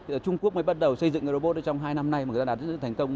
trung quốc mới bắt đầu xây dựng robot trong hai năm nay mà đã đạt được thành công